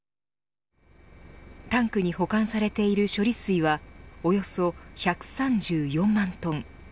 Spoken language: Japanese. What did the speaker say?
タンクに保管されている処理水はおよそ１３４万トン。